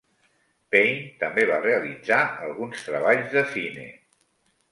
Payn també va realitzar alguns treballs de cine.